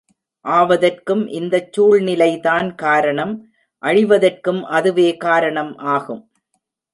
ஆவதற்கும் இந்தச் சூழ்நிலைதான் காரணம் அழிவதற்கும் அதுவே காரணம் ஆகும்.